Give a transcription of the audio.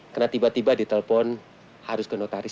karena tiba tiba di telepon harus ke notaris